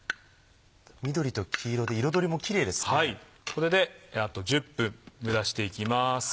これであと１０分蒸らしていきます。